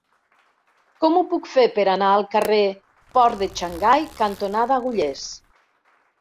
Com ho puc fer per anar al carrer Port de Xangai cantonada Agullers?